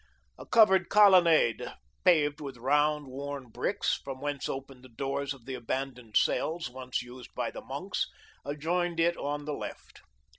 A covered colonnade, paved with round, worn bricks, from whence opened the doors of the abandoned cells, once used by the monks, adjoined it on the left.